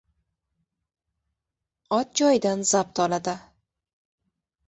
Ot joyidan zabt oladi.